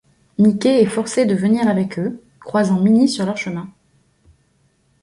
Mickey est forcé de venir avec eux, croisant Minnie sur leur chemin.